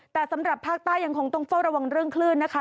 แต่สำหรับภาคใต้ยังคงต้องเฝ้าระวังเรื่องคลื่นนะคะ